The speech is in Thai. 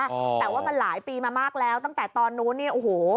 แต่ว่ามันหลายปีมามากแล้วตั้งแต่ตอนนู้นเนี่ยโอ้โห